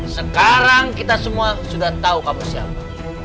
sekarang kita semua sudah tahu kamu siapa